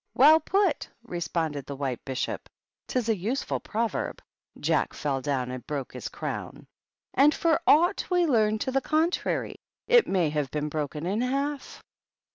Well put!" responded the White Bishop. 'Tis a usefiil proverb :* Jack fell down And broke his crown.^ And for aught we learn to the contrary, it may have been broken in half."